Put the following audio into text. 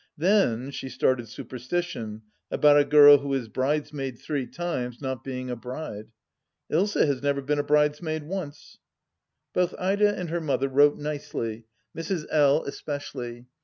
Then she started superstition, about a girl who is bridesmaid three times not being a bride. Ilsa has never been a bridesmaid once 1 Both Ida and her mother wrote nicely, Mrs. L, especi THE LAST DITCH 43 ally.